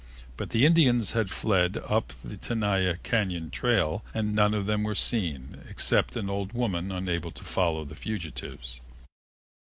But the Indians had fled up the Tenaya Cañon trail and none of them were seen, except an old woman unable to follow the fugitives.